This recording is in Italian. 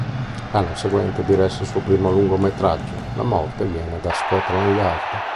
L'anno seguente diresse il suo primo lungometraggio, "La morte viene da Scotland Yard".